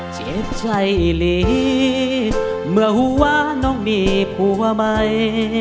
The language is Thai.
เจ็บใจหลีเมื่อหัวน้องมีผัวใหม่